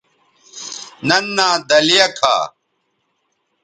ننھا دلیہ کھا